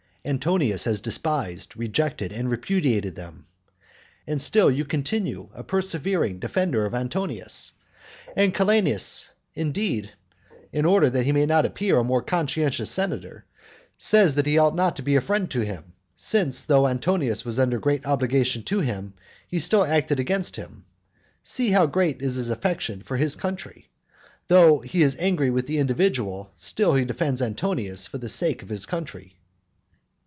Antonius has despised, rejected, and repudiated them. And still you continue a persevering defender of Antonius. And Calenus, indeed, in order that he may appear a more conscientious senator, says that he ought not to be a friend to him; since, though Antonius was under great obligations to him, he still had acted against him. See how great is his affection for his country. Though he is angry with the individual, still he defends Antonius for the sake of his country.